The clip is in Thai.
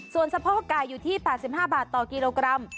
ส่วนสะโพกไก่อยู่ที่๘๕บาทต่อกิโลกรัม